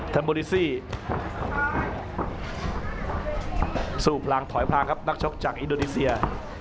โมดิซี่สู้พลางถอยพลางครับนักชกจากอินโดนีเซีย